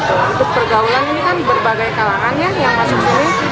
untuk pergaulan ini kan berbagai kalangan ya yang masuk sini